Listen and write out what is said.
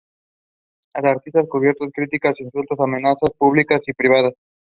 Once he started to come of age he attended Oraibi day school.